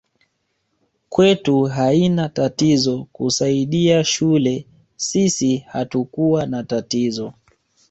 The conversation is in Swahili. Kwetu haina tatizo kusaidia shule sisi hatukua na tatizo